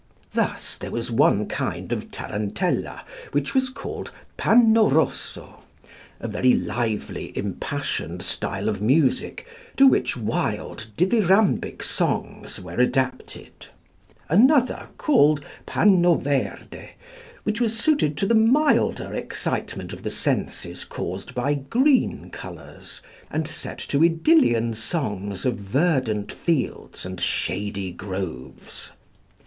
Thus there was one kind of tarantella which was called "Panno rosso," a very lively, impassioned style of music, to which wild dithyrambic songs were adapted; another, called "Panno verde," which was suited to the milder excitement of the senses caused by green colours, and set to Idyllian songs of verdant fields and shady groves.